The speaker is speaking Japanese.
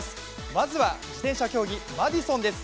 まずは、自転車競技、マディソンです。